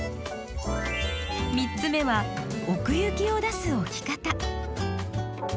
３つ目は奥行きを出す置き方。